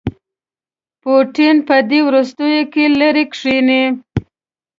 پوټین په دې وروستیوکې لیرې کښيني.